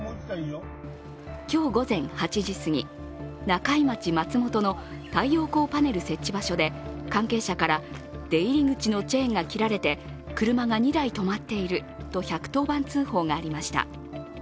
今日午前８時すぎ、中井町松本の太陽光パネル設置場所で関係者から出入り口のチェーンが切られて車が２台止まっていると１１０番通報がありました。